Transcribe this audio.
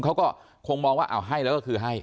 เขาก็คงมองว่าเอาให้แล้วก็คือให้